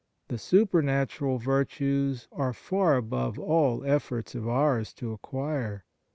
The supernatural virtues are far above all efforts of ours to acquire.